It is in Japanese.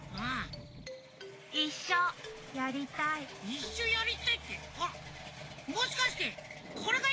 「いっしょやりたい」ってあっもしかしてこれがやりたいの？